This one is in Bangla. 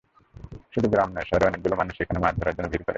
শুধু গ্রাম নয়, শহরের অনেক মানুষ এখানে মাছ ধরার জন্য ভিড় করেন।